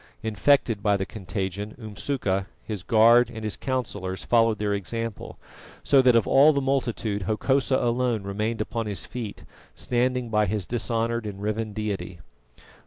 Infected by the contagion, Umsuka, his guard and his councillors followed their example, so that of all the multitude Hokosa alone remained upon his feet, standing by his dishonoured and riven deity.